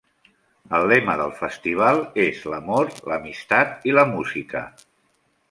El lema del Festival és "l'amor, l'amistat i la música".